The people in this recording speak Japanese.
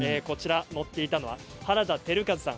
乗っていたのは原田輝和さん